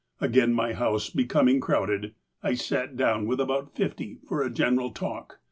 "Again my house becoming crowded, I sat down with about fifty for a general talk.